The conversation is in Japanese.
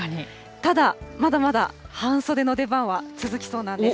ただ、まだまだ半袖の出番は続きそうなんです。